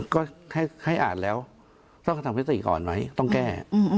ก็ให้อ่านแล้วต้องกระทำพฤติก่อนไหมต้องแก้